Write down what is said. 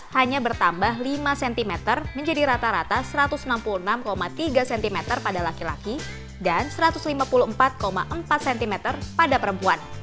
hanya bertambah lima cm menjadi rata rata satu ratus enam puluh enam tiga cm pada laki laki dan satu ratus lima puluh empat empat cm pada perempuan